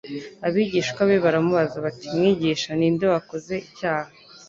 Abigishwa be baramubaza bati : Mwigisha ninde wakoze icyaha,